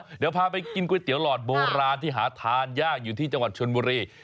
เดี๋ยวพาไปกินก๋วยเตี๋หลอดโบราณที่หาทานยากอยู่ที่จังหวัดชนบุรี